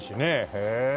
へえ。